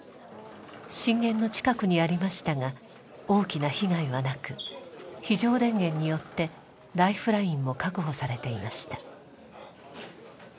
震源の近くにありましたが大きな被害はなく非常電源によってライフラインも確保されていました。